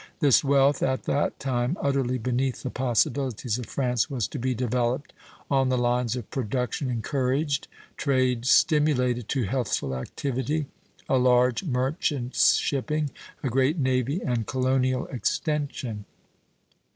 This wealth, at that time utterly beneath the possibilities of France, was to be developed on the lines of production encouraged, trade stimulated to healthful activity, a large merchant shipping, a great navy, and colonial extension.